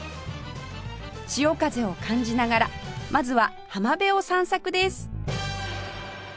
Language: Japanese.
潮風を感じながらまずは浜辺を散策です